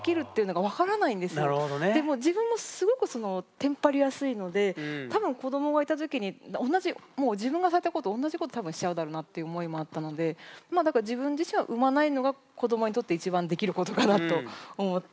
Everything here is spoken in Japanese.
で自分もすごくテンパりやすいので多分子どもがいた時に同じもう自分がされたことおんなじこと多分しちゃうだろうなって思いもあったのでまあだから自分自身は産まないのが子どもにとって一番できることかなと思って。